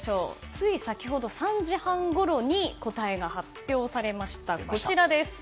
つい先ほど、３時半ごろに答えが発表されました。